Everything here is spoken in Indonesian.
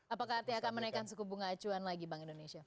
apakah artinya akan menaikkan suku bunga acuan lagi bank indonesia